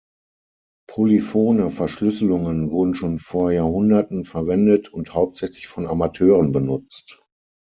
Polyphone Verschlüsselungen wurden schon vor Jahrhunderten verwendet und hauptsächlich von Amateuren benutzt.